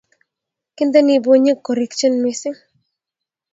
Kinteni bunyik korikchin mising